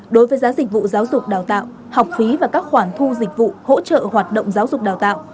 đối với giá dịch vụ giáo dục đào tạo học phí và các khoản thu dịch vụ hỗ trợ hoạt động giáo dục đào tạo